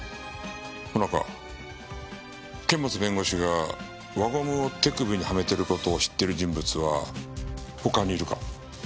萌奈佳堅物弁護士が輪ゴムを手首にはめてる事を知っている人物は他にいるか？